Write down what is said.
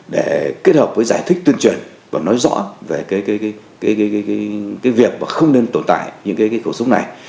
để kết hợp với giải thích tuyên truyền và nói rõ về cái việc mà không nên tồn tại những cái khẩu súng này